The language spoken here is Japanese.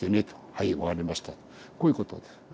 こういうことです。